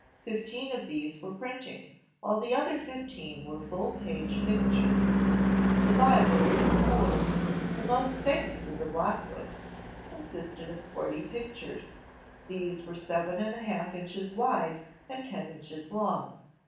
Fifteen of these were printing, while the other fifteen were full page pictures. The Bible of the Poor, the most famous of the block books, consisted of forty pictures. These were seven and a half inches wide, and ten inches long.